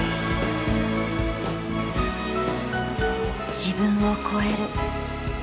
「自分を超える」。